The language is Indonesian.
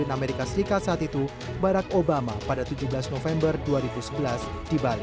dipendam perusahaan outfit nasa dan amerika serikat saat itu barack obama pada tujuh belas november dua ribu sebelas di bali